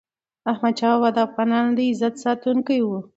احمد شاه بابا د افغانانو د عزت ساتونکی و.